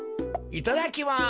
いただきます。